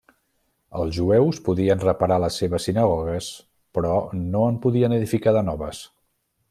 Els jueus podien reparar les seves sinagogues però no en podien edificar de noves.